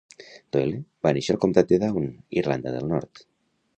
Doyle va néixer al comtat de Down, Irlanda del Nord.